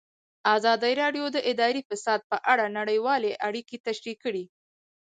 ازادي راډیو د اداري فساد په اړه نړیوالې اړیکې تشریح کړي.